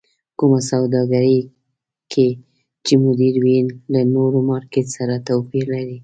کومه سوداګرۍ کې چې مدير وي له نور مارکېټ سره توپير لري.